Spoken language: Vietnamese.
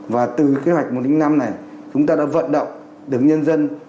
và từ kế hoạch một trăm linh năm này chúng ta đã vận động được nhân dân